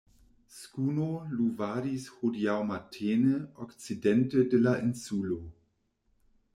Skuno luvadis hodiaŭ matene okcidente de la Insulo.